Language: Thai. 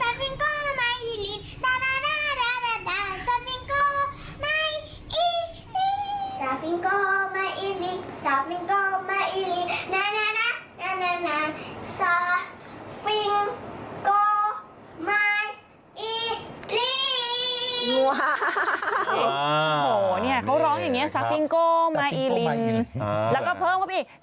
โหนี่เขาร้องอย่างนี้ซาฟิงโกไมอีลินแล้วก็เพิ่มกับอีก